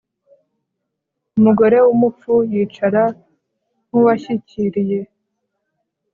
umugore w'umupfu yicara nk'uwashyikiriye